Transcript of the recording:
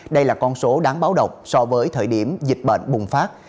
đây là con số đáng báo động so với thời điểm dịch bệnh bùng phát